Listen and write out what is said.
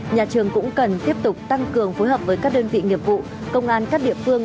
nhà trường cũng cần tiếp tục tăng cường phối hợp với các đơn vị nghiệp vụ công an các địa phương